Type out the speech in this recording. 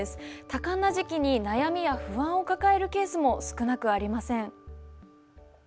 多感な時期に悩みや不安を抱えるケースも少なくありません。